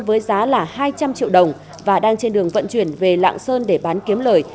với giá là hai trăm linh triệu đồng và đang trên đường vận chuyển về lạng sơn để bán kiếm lời